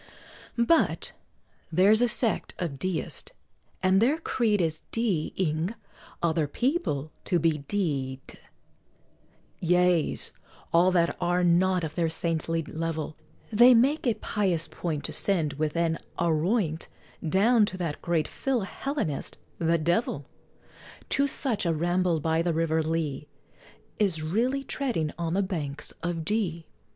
But there's a sect of Deists, and their creed Is D ing other people to be d d, Yeas, all that are not of their saintly level, They make a pious point To send, with an "aroint," Down to that great Fillhellenist, the Devil. To such, a ramble by the River Lea Is really treading on the "Banks of D